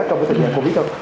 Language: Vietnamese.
trong cái thời gian covid đâu